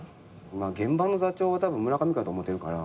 現場の座長は村上君やと思ってるから。